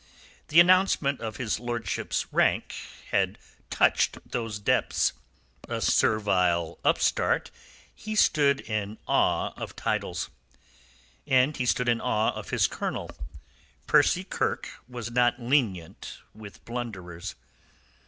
The announcement of his lordship's rank had touched those depths. A servile upstart, he stood in awe of titles. And he stood in awe of his colonel. Percy Kirke was not lenient with blunderers.